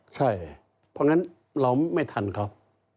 ใช่เพราะงั้นเราไม่ทันครับ